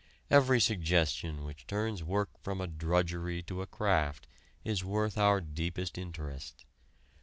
Every suggestion which turns work from a drudgery to a craft is worth our deepest interest.